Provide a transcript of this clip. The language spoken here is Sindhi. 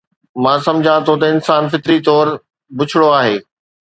مان سمجهان ٿو ته انسان فطري طور بڇڙو آهي